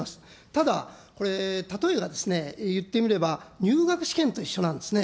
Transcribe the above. ただ、これ、例えをいってみれば、入学試験と一緒なんですね。